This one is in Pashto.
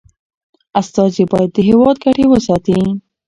استازي باید د هیواد ګټي وساتي.